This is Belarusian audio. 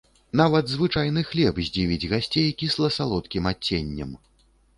Нават звычайны хлеб здзівіць гасцей кісла-салодкім адценнем.